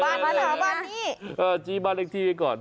บ้านหรอบ้านนี้เออชี้บ้านหลังที่ไว้ก่อน